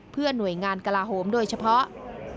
เพื่อหน่วยงานกลาโหมโดยเฉพาะ